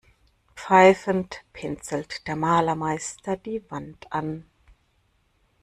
Pfeifend pinselt der Malermeister die Wand an.